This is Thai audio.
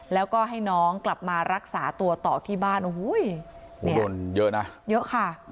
แล้วก็ให้น้องกลับมารักษาตัวต่อที่บ้านโอ้โหเนี่ยคนเยอะนะเยอะค่ะ